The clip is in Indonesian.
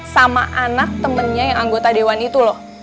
sama anak temennya yang anggota dewan itu loh